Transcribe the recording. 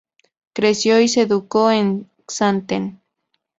Creció y se educó en Xanten.